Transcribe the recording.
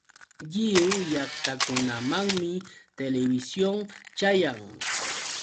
Lliw llaqtakunamanmi televisión chayan.